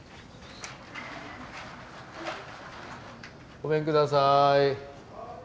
ごめんください。